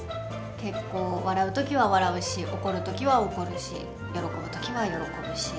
結構、笑うときは笑うし、怒るときは怒るし、喜ぶときは喜ぶし。